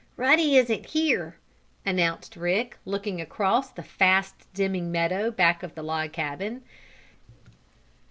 "Ruddy isn't here," announced Rick, looking across the fast dimming meadow back of the log cabin.